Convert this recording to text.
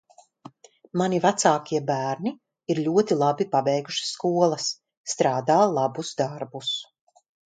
Mani vecākie bērni ir ļoti labi pabeiguši skolas, strādā labus darbus.